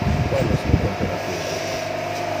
Qual es le temperatura?